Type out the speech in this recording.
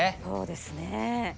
そうですね。